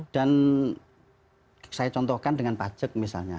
dan saya contohkan dengan pacek misalnya